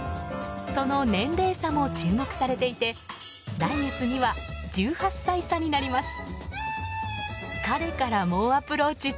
その年齢差も注目されていて来月には１８歳差になります。